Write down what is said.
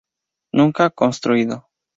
Nunca construido.